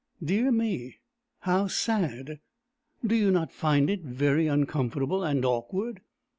" Dear me ! how sad ! Do you not find it very uncomfortable and awkward